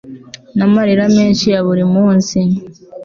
n' amarira menshi ya buri munsi